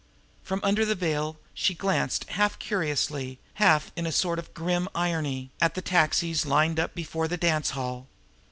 From under her veil, she glanced, half curiously, half in a sort of grim irony, at the taxis lined up before the dancehall.